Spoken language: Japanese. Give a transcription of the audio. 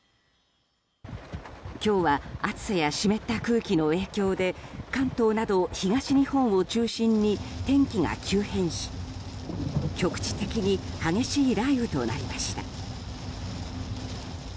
今日は、暑さや湿った空気の影響で関東など東日本を中心に天気が急変し局地的に激しい雷雨となりました。